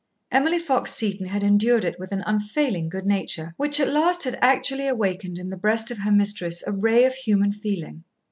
Emily Fox Seton had endured it with an unfailing good nature, which at last had actually awakened in the breast of her mistress a ray of human feeling.